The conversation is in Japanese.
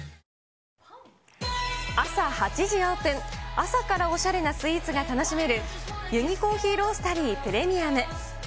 朝からおしゃれなスイーツが楽しめるユニ・コーヒー・ロースタリー・プレミアム。